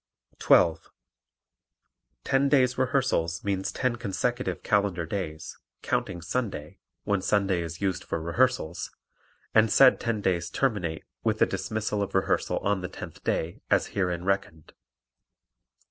12. Ten days' rehearsals means ten consecutive calendar days, counting Sunday (when Sunday is used for rehearsals) and said ten days terminate with the dismissal of rehearsal on the tenth day, as herein reckoned.